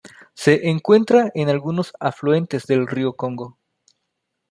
Se encuentra en algunos afluentes del río Congo.